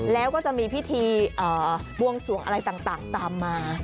แล้วก็จะมีพิธีบวงสวงอะไรต่างตามมา